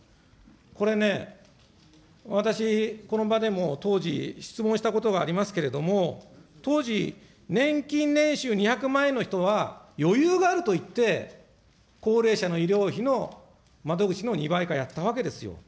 これね、私、この場でも、当時、質問したことがありますけれども、当時、年金年収２００万円の人が余裕があるといって、高齢者の医療費の窓口の２倍化やったわけですよ。